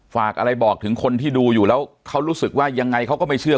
ฝากอะไรบอกถึงคนที่ดูอยู่แล้วเขารู้สึกว่ายังไงเขาก็ไม่เชื่อ